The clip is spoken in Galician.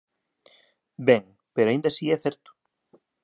Ben, pero aínda así é certo.